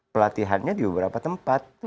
pelatihannya di beberapa tempat